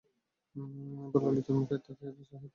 এবার ললিতার মুখের দিকে চাহিতেই তাহার চোখ নামিয়া পড়িল।